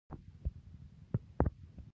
هغه پنځوس کلن سړی ښايي د قبیلې مشر و.